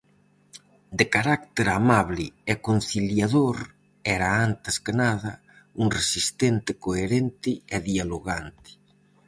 De carácter amable e conciliador, era antes que nada un resistente coherente e dialogante.